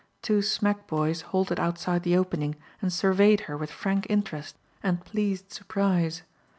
Two smack boys halted outside the opening and surveyed her with frank interest and pleased surprise.